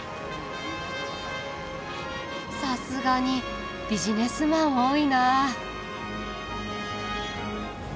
さすがにビジネスマン多いな。